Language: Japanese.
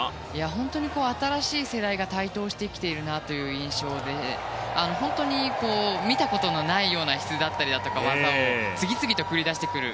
本当に新しい世代が台頭してきているなという印象で本当に、見たことのないような質だったりだとか技を次々と繰り出してくる。